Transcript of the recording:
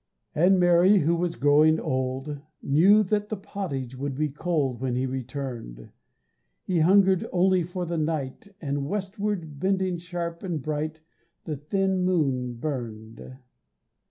And Mary, who was growing old, Knew that the pottage would be cold When he returned; He hungered only for the night, And westward, bending sharp and bright, The thin moon burned.